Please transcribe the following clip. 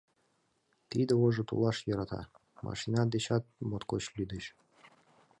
Тиде ожо тулаш йӧрата, машина дечат моткоч лӱдеш.